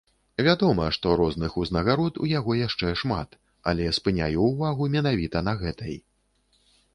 Вядома, што розных узнагарод у яго яшчэ шмат, але спыняю ўвагу менавіта на гэтай.